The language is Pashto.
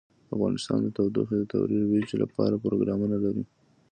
افغانستان د تودوخه د ترویج لپاره پروګرامونه لري.